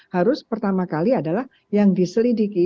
harus pertama kali adalah yang diselidiki